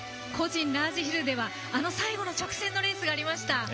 個人のラージヒルではあの最後の直線のレースがありました。